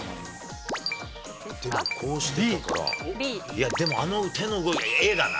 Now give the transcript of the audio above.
いやでも、あの手の動きはＡだな。